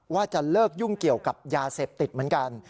ว่าจะเลิกยุ่งเกี่ยวกับยาเสพติดเหมือนกัน